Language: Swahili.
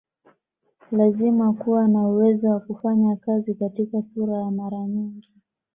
Lazima kuwa na uwezo wa kufanya kazi katika sura ya mara nyingi